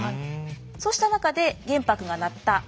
そうした中で玄白がなった藩医。